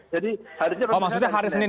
jadi hari senin ini maksudnya hari senin